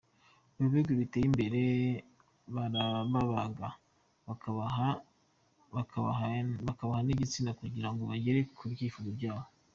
Mu bihugu biteye imbere barababaga bakabaha n’igitsina kugira ngo bagere ku byifuzo byabo.